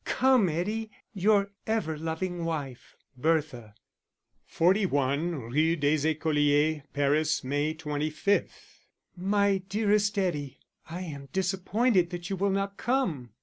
Come, Eddie. Your ever loving wife,_ BERTHA. 41 Rue des Ecoliers, Paris, May 25. _My dearest Eddie, I am disappointed that you will not come.